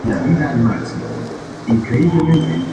El director de la seguridad nacional revela su plan a todos.